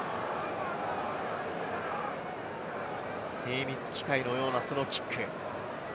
精密機械のようなキック。